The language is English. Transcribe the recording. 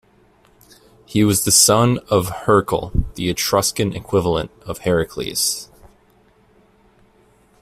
He was the son of Hercle, the Etruscan equivalent of Heracles.